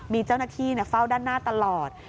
มีเจ้าหน้าที่เฝ้าด้านหน้าตลอด